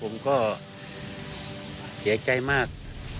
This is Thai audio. ผมก็เหยื่อใจมาก